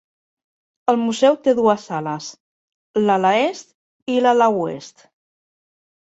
El museu té dues ales: l"ala est i l"ala oest.